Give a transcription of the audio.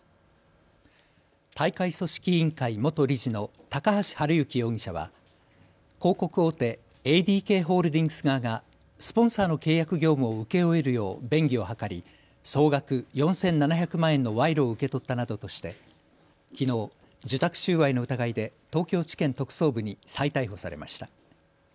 大会組織委員会元理事の高橋治之容疑者は広告大手、ＡＤＫホールディングス側がスポンサーの契約業務を請け負えるよう便宜を図り総額４７００万円の賄賂を受け取ったなどとしてきのう受託収賄の疑いで東京地検特捜部に再逮捕されました。